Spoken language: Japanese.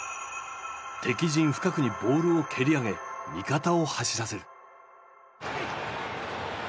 敵陣深くにボールを蹴り上げ味方を走らせる。